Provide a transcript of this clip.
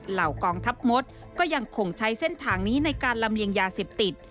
เหล่ากองทัพมดก็ยังคงใช้เส้นทางนี้ในการลำเลียงยาเสพติด